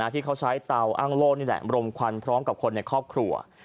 ที่เขาใช้เตาอ้างโล่นี่แหละรมควันพร้อมกับคนในครอบครัว